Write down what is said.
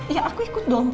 iya aku ikut dong